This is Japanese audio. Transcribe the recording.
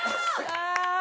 ああ。